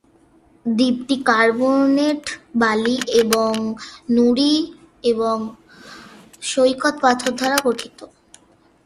দ্বীপটি কার্বনেট বালি এবং নুড়ি, এবং সৈকত পাথর দ্বারা গঠিত।